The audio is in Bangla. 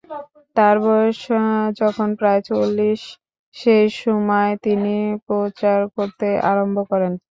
তাঁর বয়স যখন প্রায় চল্লিশ, সেই সময় তিনি প্রচার করতে আরম্ভ করেন।